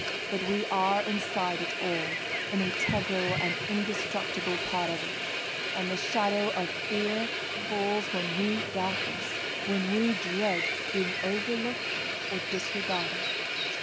But we are inside it all, an integral and indestructible part of it; and the shadow of fear falls when we doubt this, when we dread being overlooked or disregarded.